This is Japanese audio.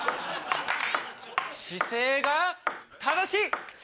姿勢が正しい！